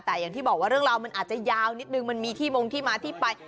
แต่อย่างที่บอกว่าเรื่องราวมันอาจจะยาวนิดนึงมันมีที่มงที่มาที่ไป